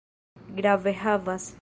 Grave havas.